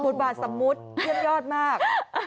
บาทสมมุติเยี่ยมยอดมาก